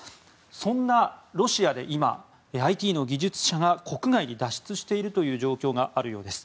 そんなロシアで今ＩＴの技術者が国外に脱出しているという状況があるようです。